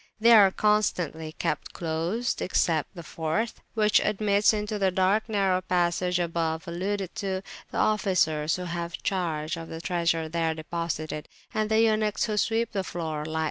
They are constantly kept closed, except the fourth, which admits, into the dark narrow passage above alluded to, the officers who have charge of the treasures there deposited; and the eunuchs who sweep the floor, light [p.